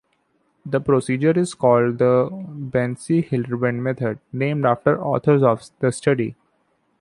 The procedure is called the Benesi-Hildebrand method, named after the authors of the study.